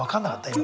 今。